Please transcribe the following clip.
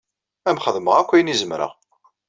Ad am-xedmeɣ akk ayen i zemreɣ.